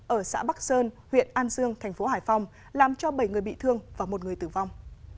ở xã bắc sơn huyện an dương thành phố hải phòng làm cho bảy người bị thương và một người tử vong